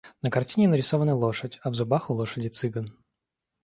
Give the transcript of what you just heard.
На картине нарисована лошадь, а в зубах у лошади цыган.